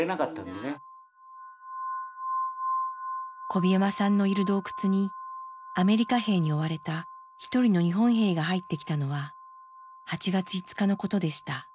小檜山さんのいる洞窟にアメリカ兵に追われた一人の日本兵が入ってきたのは８月５日のことでした。